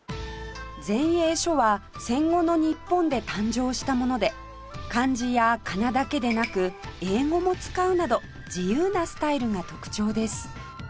前衛書は戦後の日本で誕生したもので漢字や仮名だけでなく英語も使うなど自由なスタイルが特徴です